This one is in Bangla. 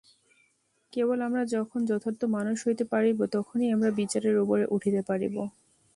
কেবল আমরা যখন যথার্থ মানুষ হইতে পারিব, তখনই আমরা বিচারের উপরে উঠিতে পারিব।